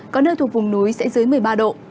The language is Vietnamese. có nơi thuộc vùng núi sẽ dưới một mươi ba độ